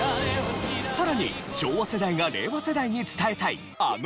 さらに昭和世代が令和世代に伝えたいあの名曲も。